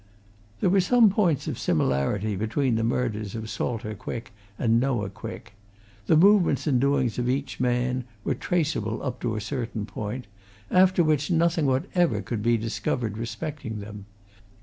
There were some points of similarity between the murders of Salter Quick and Noah Quick. The movements and doings of each man were traceable up to a certain point, after which nothing whatever could be discovered respecting them.